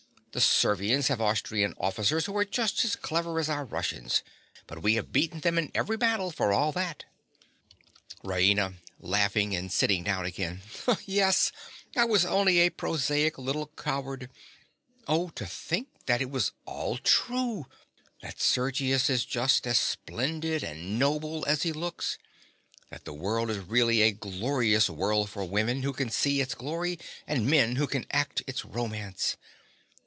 The Servians have Austrian officers who are just as clever as our Russians; but we have beaten them in every battle for all that. RAINA. (laughing and sitting down again). Yes, I was only a prosaic little coward. Oh, to think that it was all true—that Sergius is just as splendid and noble as he looks—that the world is really a glorious world for women who can see its glory and men who can act its romance!